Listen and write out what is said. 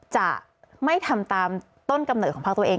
จะไม่ทำตามต้นกำเนิดของภาคตัวเอง